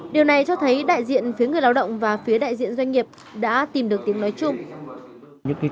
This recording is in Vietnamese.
điều này cho thấy đại diện phía người lao động và phía đại diện doanh nghiệp đã tìm được tiếng nói chung